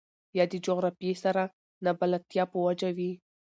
يا د جغرافيې سره نه بلدتيا په وجه وي.